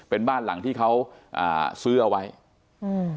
เป็นบ้านหลังที่เขาอ่าซื้อเอาไว้อืม